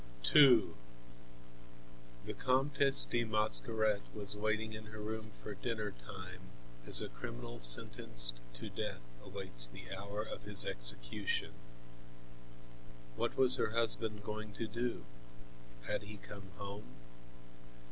II The Comtesse de Mascaret was waiting in her room for dinner time as a criminal sentenced to death awaits the hour of his execution. What was her husband going to do? Had he come home?